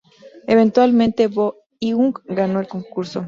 Eventualmente, Bo-hyung ganó el concurso.